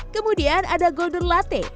kemudian ada golden latte